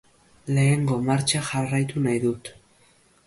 Lehengo martxa jarraitu nahi dut.